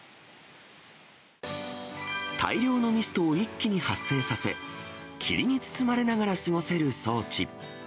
大量のミストを一気に発生させ、霧に包まれながら過ごせる装置。